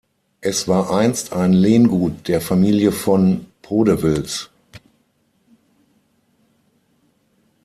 Es war einst ein Lehngut der Familie von Podewils.